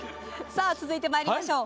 続いてまいりましょう。